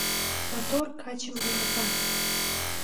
Мотор качым йӧрата.